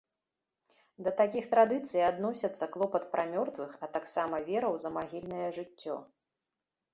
Да такіх традыцый адносяцца клопат пра мёртвых, а таксама вера ў замагільнае жыццё.